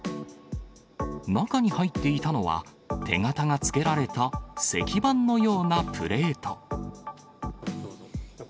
中に入っていたのは、手形がつけられた石版のようなプレート。